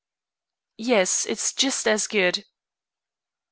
"Yes; it's just as good."